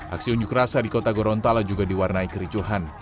aksi unjuk rasa di kota gorontalo juga diwarnai kericuhan